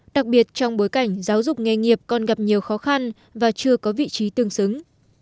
đặc biệt trong bối cảnh giáo dục nghề nghiệp còn gặp nhiều khó khăn và chưa có vị trí tương xứng